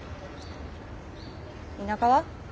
田舎は？